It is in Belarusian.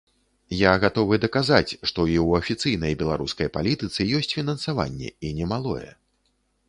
Я гатовы даказаць, што і ў афіцыйнай беларускай палітыцы ёсць фінансаванне, і немалое.